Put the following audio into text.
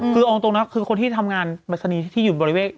คืออองตรงนะครับคือคนที่ทำงานบรรษณีย์ที่อยู่บริเวณนั้น